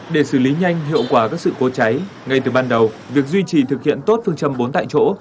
để xử lý nhanh hiệu quả các sự cố cháy ngay từ ban đầu việc duy trì thực hiện tốt phương châm bốn tại chỗ